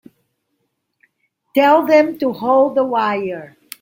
Tell them to hold the wire.